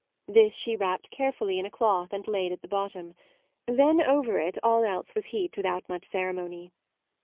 This she wrapped carefully in a cloth and laid at the bottom; then MAUDE 87 over it all else was heaped without much ceremony.